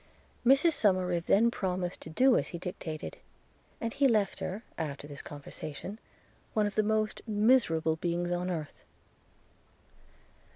Mrs Somerive then promised to do as he dictated; and he left her, after this conversation, one of the most miserable beings on earth.